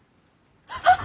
あっ！